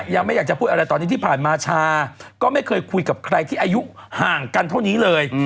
ยังไม่อยากจะพูดอะไรตอนนี้ที่ผ่านมาชาก็ไม่เคยคุยกับใครที่อายุห่างกันเท่านี้เลย